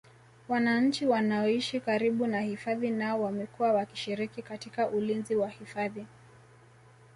wananchi wanaoishi karibu na hifadhi nao wamekuwa wakishiriki katika ulinzi wa hifadhi